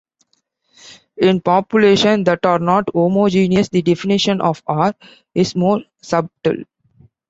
In populations that are not homogeneous, the definition of "R" is more subtle.